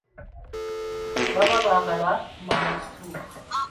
Baba baagala kumanya kituufu.